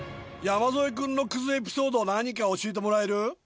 山添君のくずエピソード何か教えてもらえる？